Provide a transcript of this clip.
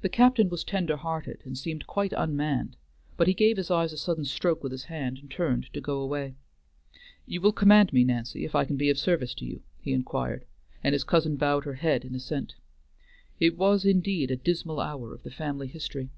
The captain was tender hearted, and seemed quite unmanned, but he gave his eyes a sudden stroke with his hand and turned to go away. "You will command me, Nancy, if I can be of service to you?" he inquired, and his cousin bowed her head in assent. It was, indeed, a dismal hour of the family history.